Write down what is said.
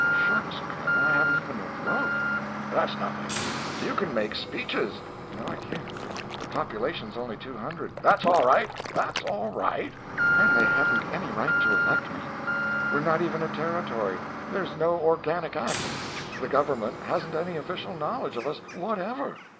"Shucks, Colonel, I haven't even a vote." "That's nothing; you can make speeches." "No, I can't. The population's only two hundred—" "That's all right, that's all right—" "And they hadn't any right to elect me; we're not even a territory, there's no Organic Act, the government hasn't any official knowledge of us whatever."